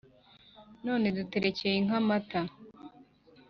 none duterekeye inka amata